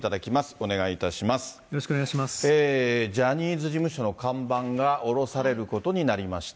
ジャニーズ事務所の看板が下ろされることになりました。